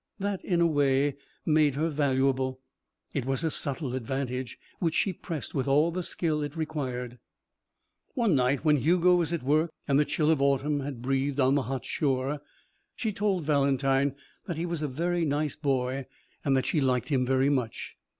That, in a way, made her valuable. It was a subtle advantage, which she pressed with all the skill it required. One night when Hugo was at work and the chill of autumn had breathed on the hot shore, she told Valentine that he was a very nice boy and that she liked him very much.